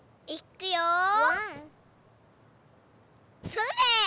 それ！